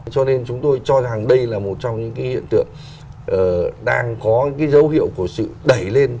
cho nên chúng tôi cho rằng đây là một trong những cái hiện tượng đang có cái dấu hiệu của sự đẩy lên